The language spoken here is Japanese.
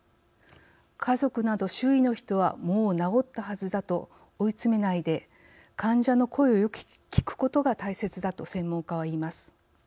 家族など、周囲の人はもう治ったはずだと追い詰めないで患者の声をよく聞くことが大切だと専門家は言います。